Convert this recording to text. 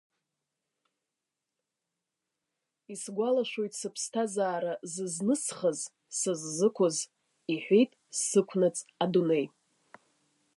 Исгәалашәоит сыԥсҭазаара зызнысхыз, сыззықәыз, – иҳәеит, сықәнаҵ адунеи.